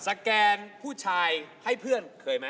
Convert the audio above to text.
แกนผู้ชายให้เพื่อนเคยไหม